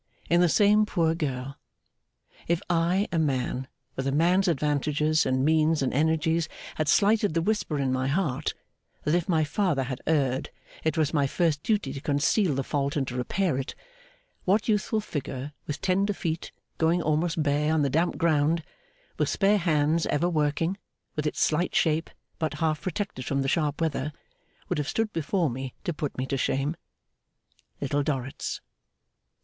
In the same poor girl! If I, a man, with a man's advantages and means and energies, had slighted the whisper in my heart, that if my father had erred, it was my first duty to conceal the fault and to repair it, what youthful figure with tender feet going almost bare on the damp ground, with spare hands ever working, with its slight shape but half protected from the sharp weather, would have stood before me to put me to shame? Little Dorrit's.